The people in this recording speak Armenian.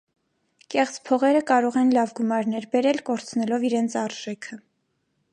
Կեղծ փողերը կարող են լավ գումարներ բերել՝ կորցնելով իրենց արժեքը։